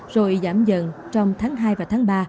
rồi giảm dần trong tháng hai và tháng ba